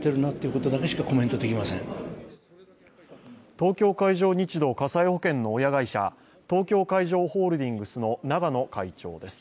東京海上日動火災保険の親会社、東京海上ホールディングスの永野会長です。